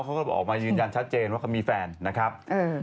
ผมมายืนยันชัดเจนว่าเขามีแฟนนะครับ